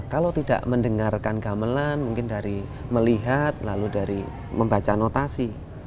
kalau tidak mendengarkan gamelan mungkin dari melihat lalu dari membaca notasi